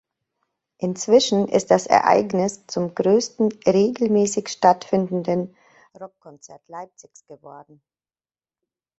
Inzwischen ist das Ereignis zum größten regelmäßig stattfindenden Rockkonzert Leipzigs geworden.